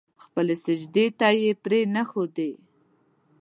خپلې سجدې ته يې پرې نه ښودې.